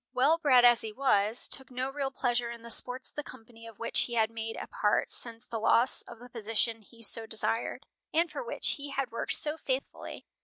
Well bred as he was, took no real pleasure in the sports of the company of which he had made a part since the loss of the position he so desired, and for which he had worked so faithfully.